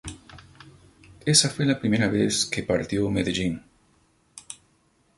Esa fue la primera vez que partió a Medellín.